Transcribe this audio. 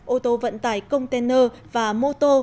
ô tô vận tải container và mô tô